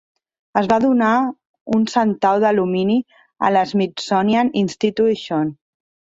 Es va donar un centau d'alumini a l'Smithsonian Institution.